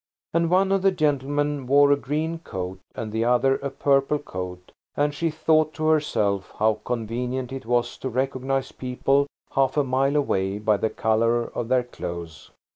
And one of the gentlemen wore a green coat and the other a purple coat, and she thought to herself how convenient it was to recognise people half a mile away by the colour of their clothes.